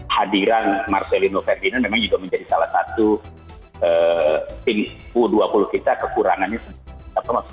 hadiran marcelino ferdinand memang juga menjadi salah satu tim u dua puluh kita kekurangannya